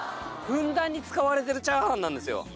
ふんだんに使われてるチャーハンなんですよ。